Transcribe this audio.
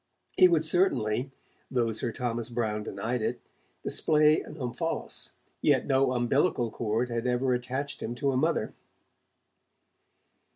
He would certainly though Sir Thomas Browne denied it display an 'omphalos', yet no umbilical cord had ever attached him to a mother.